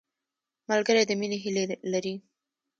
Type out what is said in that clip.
ملګری د مینې هیلې لري